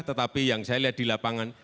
tetapi yang saya lihat di lapangan